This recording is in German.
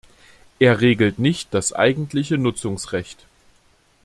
Er regelt nicht das eigentliche Nutzungsrecht.